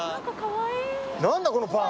何だこのパン。